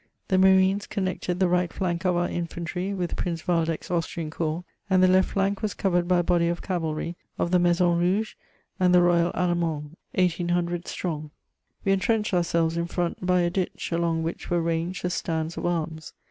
The marines connected the right flank of our infantry; with Prince Waldeck's Austrian corps, and the left flank was covered by a body of cavahy of md Maison Rauge and the RayaUAUemand^ 1800 strong. We entrenched ourselves in front by a ditch, along which were ranged the stands of arms.